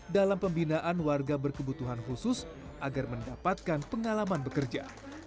dalam pembinaan warga berkebutuhan khusus agar mendapatkan pengalaman bekerja